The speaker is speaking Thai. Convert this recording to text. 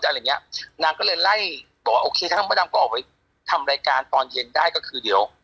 จะบอกว่าได้เข้ามาทำแรงบขปรายการตอนเย็นได้คือเดียว